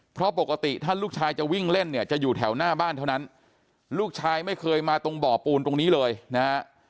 เพราะปกติถ้าลูกชายจะวิ่งเล่นเนี่ยจะอยู่แถวหน้าบ้านเท่านั้นลูกชายไม่เคยมาตรงบ่อปูนตรงนี้เลยนะฮะ